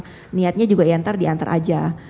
jadi saya emang niatnya juga iantar diantar aja